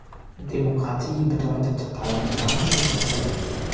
Demokratie bedeutet parlamentarische Kontrolle.